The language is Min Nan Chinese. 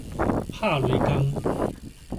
拍雷公